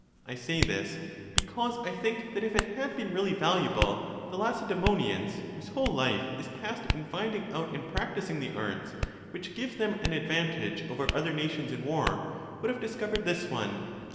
I say this, because I think that if it had been really valuable, the Lacedaemo nians, whose whole life is passed in finding out and practising the arts which give them an advantage over other nations in war, would have discovered this one.